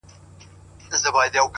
• زموږ په ناړو د کلو رنځور جوړیږي ,